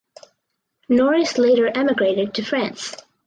Norris later emigrated to France.